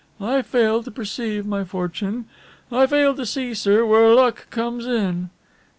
"I fail to perceive my fortune. I fail to see, sir, where luck comes in."